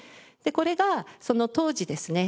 これがその当時ですね